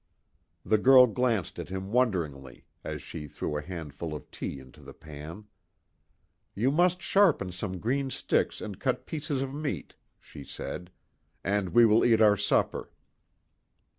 The girl glanced at him wonderingly, as she threw a handful of tea into the pan. "You must sharpen some green sticks and cut pieces of meat," she said, "And we will eat our supper."